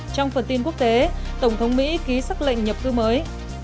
trong phần tin quốc tế tổng thống mỹ ký xác lệnh nhập cư mới